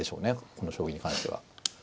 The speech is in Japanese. この将棋に関しては。